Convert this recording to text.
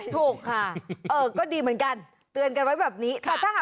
ถูกค่ะก็ดีเหมือนกันเตือนกันไว้แบบนี้